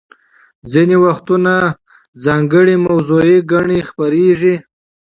ځینې وختونه ځانګړې موضوعي ګڼې خپریږي.